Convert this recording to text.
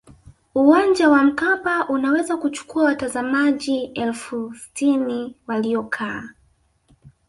uwanja wa mkapa unaweza kuchukua watazamaji elfu sitini waliokaa